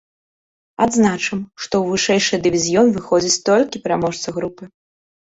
Адзначым, што ў вышэйшы дывізіён выходзіць толькі пераможца групы.